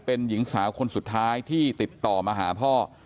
เป็นหญิงสาวคนสุดท้ายที่ติดต่อมาหาพ่อ